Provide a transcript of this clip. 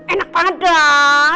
enak banget dong